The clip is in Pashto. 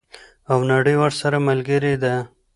او نړۍ ورسره ملګرې ده.